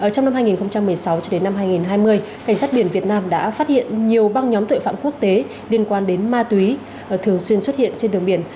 trong năm hai nghìn một mươi sáu cho đến năm hai nghìn hai mươi cảnh sát biển việt nam đã phát hiện nhiều băng nhóm tội phạm quốc tế liên quan đến ma túy thường xuyên xuất hiện trên đường biển